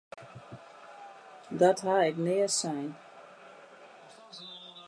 Dat ha ik nea sein!